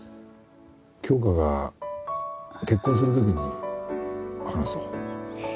杏花が結婚するときに話そう